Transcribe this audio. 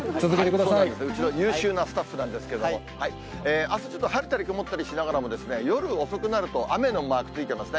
うちの優秀なスタッフなんですけれども、あすちょっと晴れたり曇ったりしながらも、夜遅くなると、雨のマークついてますね。